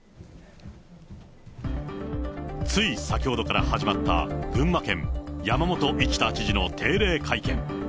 つい先ほどから始まった、群馬県山本一太知事の定例会見。